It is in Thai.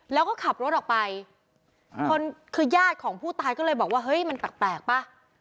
แล้วก็ขับรถออกไปคนคือญาติของผู้ตายก็เลยบอกว่าเฮ้ยมันแปลกป่ะ